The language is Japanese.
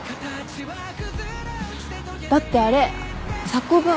だってあれ作文。